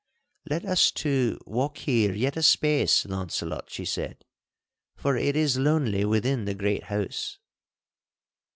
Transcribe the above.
'Let us two walk here yet a space, Launcelot,' she said, 'for it is lonely within the great house.